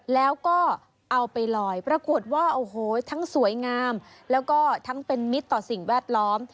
แล้วก็เอาไปลอยปรากฏว่าโอ้โหทั้งสวยงามแล้วก็ทั้งเป็นมิตรต่อสิ่งแวดล้อม